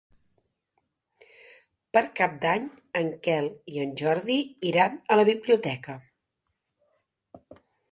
Per Cap d'Any en Quel i en Jordi iran a la biblioteca.